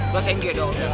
gue thank you ya dong